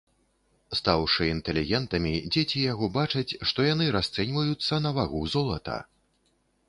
Стаўшы інтэлігентамі, дзеці яго бачаць, што яны расцэньваюцца на вагу золата.